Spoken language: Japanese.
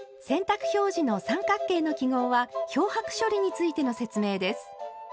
洗濯表示の三角形の記号は漂白処理についての説明です。